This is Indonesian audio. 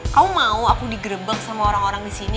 kamu mau aku digerebek sama orang orang disini